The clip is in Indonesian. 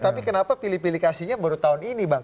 tapi kenapa pilih pilih kasihnya baru tahun ini bang